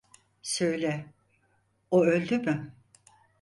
Söyle, o öldü mü?